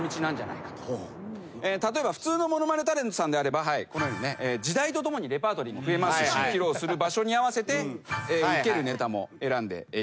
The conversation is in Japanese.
例えば普通のものまねタレントさんであればこのようにね時代とともにレパートリーも増えますし披露する場所に合わせてウケるネタも選んでいけます。